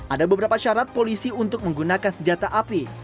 ada beberapa syarat polisi untuk menggunakan senjata api